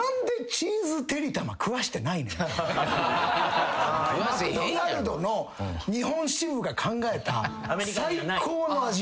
マクドナルドの日本支部が考えた最高の味。